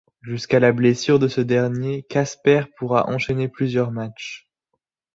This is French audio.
Jusqu'à la blessure de ce dernier, Casper pourra enchaîner plusieurs matchs.